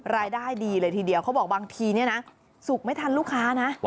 รายได้ดีเลยทีเดียวเขาบอกบางทีเนี่ยนะสุกไม่ทันลูกค้านะ